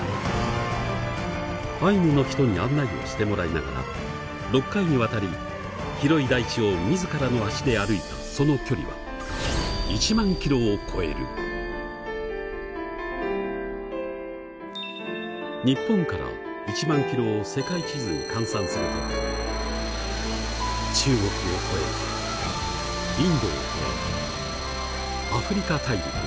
アイヌの人に案内をしてもらいながら６回にわたり広い大地を自らの足で歩いたその距離は日本から１万キロを世界地図に換算すると中国を越えインドを越えアフリカ大陸へ。